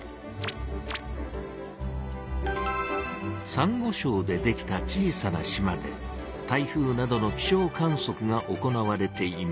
サンゴしょうでできた小さな島で台風などの気象観そくが行われています。